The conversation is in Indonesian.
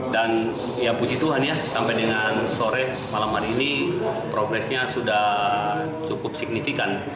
dan ya puji tuhan ya sampai dengan sore malam hari ini progresnya sudah cukup signifikan